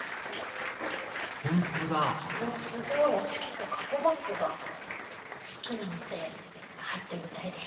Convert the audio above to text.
本当だ私結構籠バッグが好きなので入ってみたいです。